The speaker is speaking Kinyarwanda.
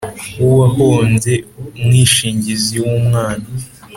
W uwahombye umwishingizi w umwana